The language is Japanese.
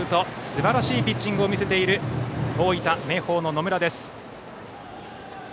すばらしいピッチングを見せている大分・明豊の野村です。